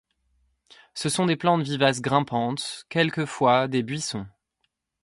Ce sont des plantes vivaces grimpantes, quelquefois des buissons.